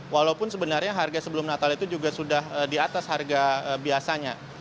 walaupun sebenarnya harga sebelum natal itu juga sudah di atas harga biasanya